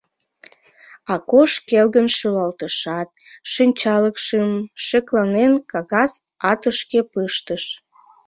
Акош келгын шӱлалтышат, шинчалыкшым, шекланен, кагаз атышке пыштыш.